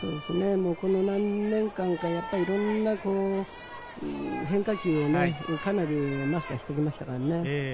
この何年間かはいろんな変化球をマスターしてきましたからね。